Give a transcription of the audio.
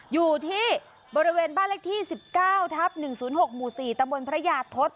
อยู่ที่บริเวณบ้านเลขที่๑๙ทับ๑๐๖หมู่๔ตำบลพระยาทศ